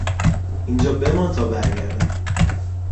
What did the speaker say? اینجا بمان تا برگردم.